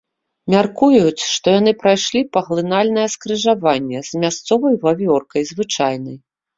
Мяркуюць, што яны прайшлі паглынальнае скрыжаванне з мясцовай вавёркай звычайнай.